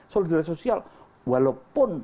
solidaritas sosial walaupun